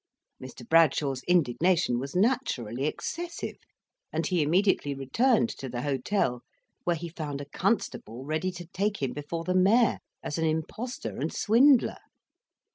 Mr. Bradshaw's indignation was naturally excessive, and he immediately returned to the hotel, where he found a constable ready to take him before the mayor as an impostor and swindler.